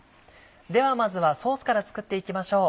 ではまずはソースから作っていきましょう。